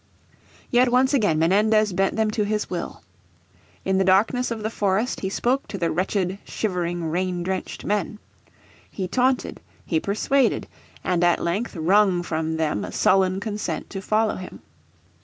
Yet once again Menendez bent them to his will. In the darkness of the forest he spoke to the wretched, shivering, rain drenched men. He taunted, he persuaded, and at length wrung from them a sullen consent to follow him.